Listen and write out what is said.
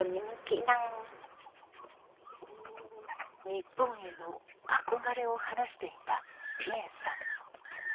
日本への憧れを話していたティエンさん。